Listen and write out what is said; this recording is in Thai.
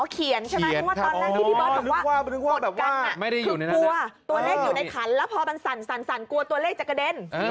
เขียนใช่ไหมตอนแรกที่พี่เบิร์ดบอกว่าตัวเลขอยู่ในขันแล้วพอสั่นกลัวตัวเลขจะกระเด็น